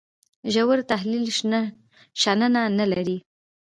ژور تحلیل شننه نه لري.